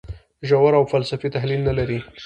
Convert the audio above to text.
ژور او فلسفي تحلیل نه لري.